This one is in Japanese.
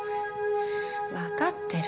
わかってる。